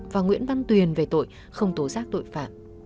và nguyễn văn tuyền về tội không tố giác tội phạm